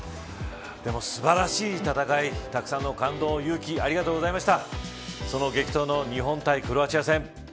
でも素晴らしい戦いたくさんの感動、勇気ありがとうございました。